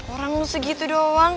orang segitu doang